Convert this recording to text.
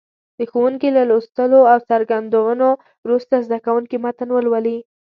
د ښوونکي له لوستلو او څرګندونو وروسته زده کوونکي متن ولولي.